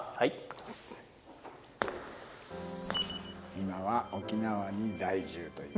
今は沖縄に在住という。